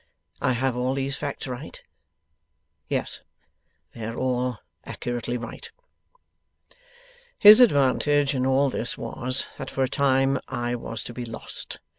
I have all these facts right? Yes. They are all accurately right. 'His advantage in all this was, that for a time I was to be lost.